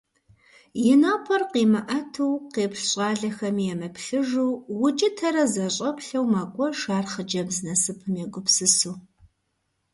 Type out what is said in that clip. И напӏэр къимыӏэту, къеплъ щӏалэхэми емыплъыжу, укӏытэрэ зэщӏэплъэу мэкӏуэж ар хъыджэбз насыпым егупсысу.